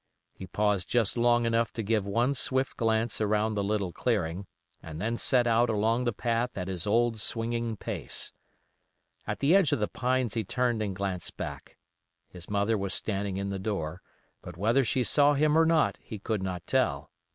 He paused just long enough to give one swift glance around the little clearing, and then set out along the path at his old swinging pace. At the edge of the pines he turned and glanced back. His mother was standing in the door, but whether she saw him or not he could not tell.